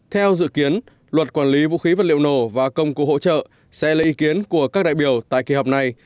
theo dự kiến luật quản lý vũ khí vật liệu nổ và công cụ hỗ trợ sẽ lấy ý kiến của các đại biểu tại kỳ họp này